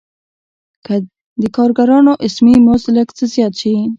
که د کارګرانو اسمي مزد لږ څه زیات شي